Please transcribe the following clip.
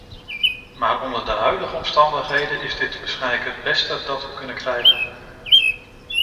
Maar onder de huidige omstandigheden is dit waarschijnlijk het beste dat we kunnen krijgen.